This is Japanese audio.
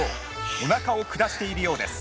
おなかを下しているようです。